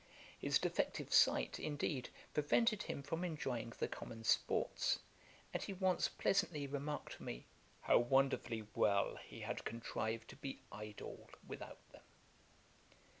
His defective sight, indeed, prevented him from enjoying the common sports; and he once pleasantly remarked to me, 'how wonderfully well he had contrived to be idle without them.'